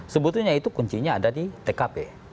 sebetulnya itu kuncinya ada di tkp